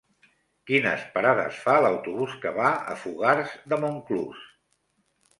Quines parades fa l'autobús que va a Fogars de Montclús?